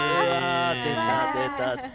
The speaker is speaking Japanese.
出た出た。